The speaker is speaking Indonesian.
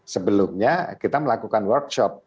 sebelumnya kita melakukan workshop